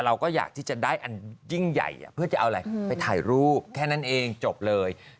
เราก็อยากที่จะได้อันยิ่งใหญ่เพื่อจะเอาอะไรไปถ่ายรูปแค่นั้นเองจบเลย